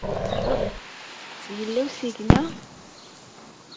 Yella usigna?